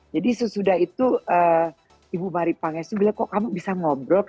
jadi sesudah itu ibu mari pangesu bilang kok kamu bisa ngobrol